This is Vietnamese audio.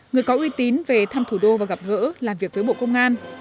người có uy tín về thăm thủ đô và gặp gỡ làm việc với bộ công an